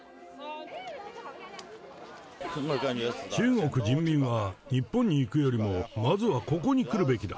中国人民は、日本に行くよりも、まずはここに来るべきだ。